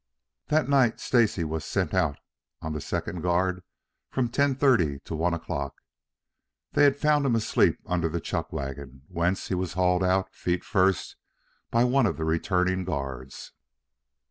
That night Stacy was sent out on the second guard from ten thirty to one o'clock. They had found him asleep under the chuck wagon, whence he was hauled out, feet first, by one of the returning guards.